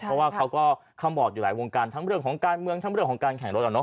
เพราะว่าเขาก็คำบอกอยู่หลายวงการทั้งเรื่องของการเมืองทั้งเรื่องของการแข่งรถ